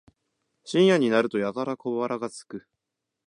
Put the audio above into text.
深夜になるとやたら小腹がすく